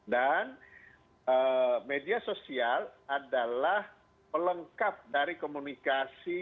dan media sosial adalah melengkap dari komunikasi